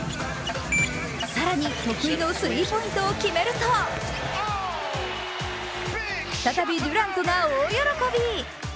更に得意のスリーポイントを決めると再びデュラントが大喜び。